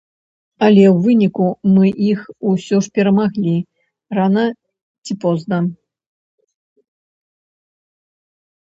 Але ў выніку мы іх усё ж перамаглі, рана ці позна.